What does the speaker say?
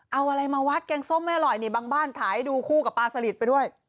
เอาอะไรมาวัดแกงส้มไม่อร่อยนี่บางบ้านถ่ายดูคู่กับปลาสลิดไปด้วย